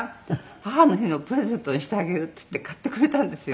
「母の日のプレゼントにしてあげる」って言って買ってくれたんですよ。